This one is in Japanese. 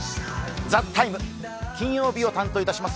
「ＴＨＥＴＩＭＥ，」、金曜日を担当いたします